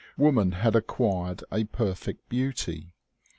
Woman had acquired a perfect beauty.